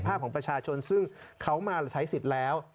ภาพของประชาชนซึ่งเขามาใช้สิทธิ์แล้ว